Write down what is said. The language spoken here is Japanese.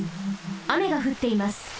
あめがふっています。